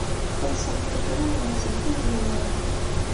Xellṣemt lekra-nwent seg tazwara.